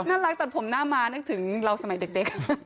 ตัดผมหน้ามานึกถึงเราสมัยเด็ก